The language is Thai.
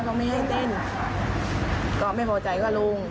เขาไม่ให้เต้นก็ไม่พอใจก็ลุง